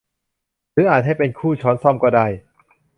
หรืออาจให้เป็นคู่ช้อนส้อมก็ได้